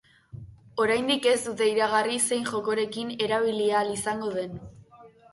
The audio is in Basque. Oraindik ez dute iragarri zein jokorekin erabili ahal izango den.